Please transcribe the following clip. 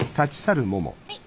はい。